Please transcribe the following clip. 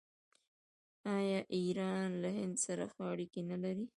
آیا ایران له هند سره ښه اړیکې نلري؟